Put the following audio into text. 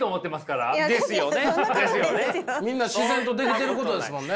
みんな自然とできてることですもんね。